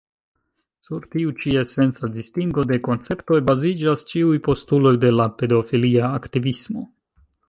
Sur tiu ĉi esenca distingo de konceptoj baziĝas ĉiuj postuloj de la pedofilia aktivismo.